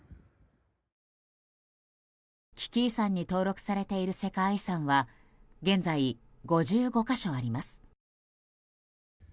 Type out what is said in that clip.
危機遺産に登録されている世界遺産は現在５５か所あります。